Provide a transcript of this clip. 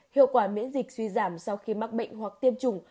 hiệu quả miễn dịch suy giảm sau khi mắc bệnh hoặc tiêm chủng